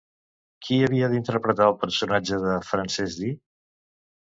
Qui havia d'interpretar el personatge de Frances Dee?